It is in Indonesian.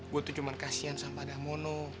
gue tuh cuma kasihan sama padamu